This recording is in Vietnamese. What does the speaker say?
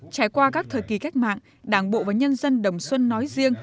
trải qua các thời kỳ cách mạng đảng bộ và nhân dân đồng xuân nói riêng